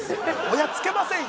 親つけませんよ。